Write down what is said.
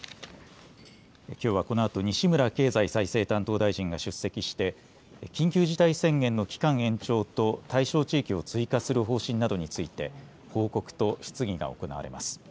きょうはこのあと西村経済再生担当大臣が出席して、緊急事態宣言の期間延長と対象地域を追加する方針などについて報告と質疑が行われます。